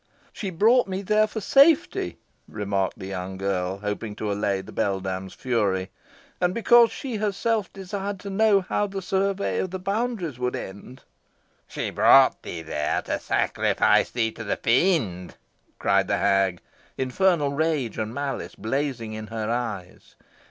"She brought me there for safety," remarked the young girl, hoping to allay the beldame's fury, "and because she herself desired to know how the survey of the boundaries would end." "She brought thee there to sacrifice thee to the Fiend!" cried the hag, infernal rage and malice blazing in her eyes.